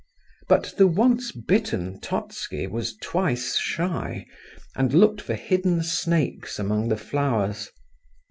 But the once bitten Totski was twice shy, and looked for hidden snakes among the flowers.